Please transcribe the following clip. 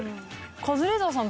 カズレーザーさん